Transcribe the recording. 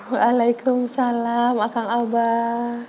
waalaikumsalam akang abah